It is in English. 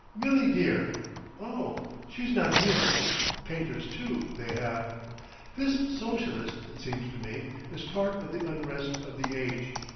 "Milly, dear! Oh! she's not here. Painters, too, they have. This Socialist, it seems to me, is part of the Unrest of the Age....